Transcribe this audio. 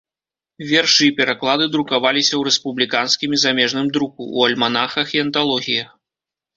Вершы і пераклады друкаваліся ў рэспубліканскім і замежным друку, у альманахах і анталогіях.